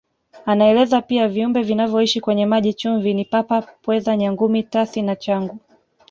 Anaeleza pia viumbe vinavyoishi kwenye maji chumvi ni Papa Pweza Nyangumi Tasi na Changu